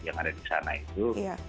yang ada di sana itu